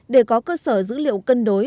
để có cơ sở dữ liệu cân đồng